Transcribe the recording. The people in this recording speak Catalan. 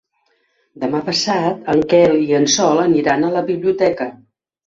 Demà passat en Quel i en Sol aniran a la biblioteca.